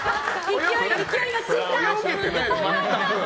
勢いがついたって。